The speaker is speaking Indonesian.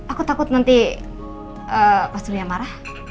aku takut nanti pak surya marah